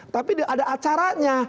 tapi ada acaranya